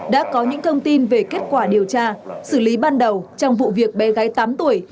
đã có những thông tin về kết quả điều tra xử lý ban đầu trong vụ việc bé gái tám tuổi